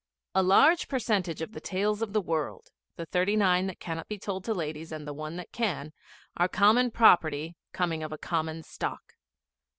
A large percentage of the tales of the world, the thirty nine that cannot be told to ladies and the one that can, are common property coming of a common stock.